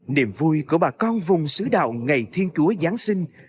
niềm vui của bà con vùng xứ đạo ngày thiên chúa giáng sinh